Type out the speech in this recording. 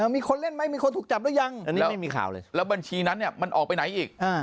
มีคนเล่นมั้ยมีคนถูกจับหรือยังแล้วบัญชีนั้นเนี่ยมันออกไปไหนอีก